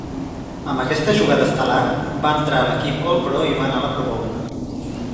Amb aquesta jugada estel·lar, va entrar a l'equip All-Pro i va anar a la Pro Bowl.